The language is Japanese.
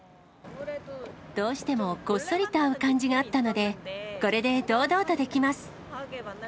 どうしてもこっそりと会う感じがあったので、これで堂々とできます。